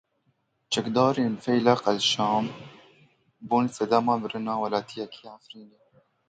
Çekdarên Feyleq El Şam bûn sedema mirina welatiyekî Efrînê.